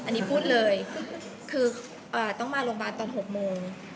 อันนี้พูดเลยคือต้องมาโรงพยาบาลตอน๖โมง